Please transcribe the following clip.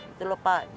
itu lho pak